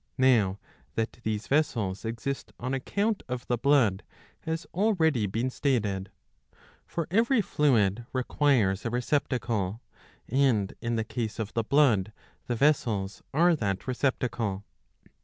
Now that these vessels exist on account of the blood has already been stated. For every fluid" requires a receptacle, and in the case of the blood the vessels are that receptacle.